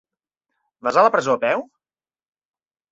Vas a la presó a peu?